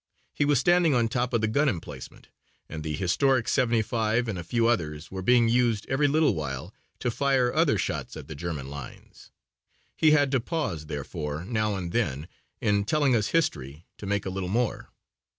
He was standing on top of the gun emplacement and the historic seventy five and a few others were being used every little while to fire other shots at the German lines. He had to pause, therefore, now and then in telling us history to make a little more.